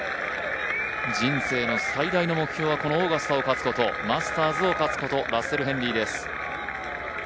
人生の最大の目標はオーガスタを勝つことマスターズを勝つこと、ラッセル・ヘンリーです。